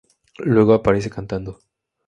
Luego aparece cantando.